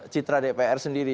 citra dpr sendiri